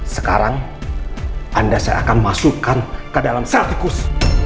sekarang anda saya akan masukkan ke dalam sertikus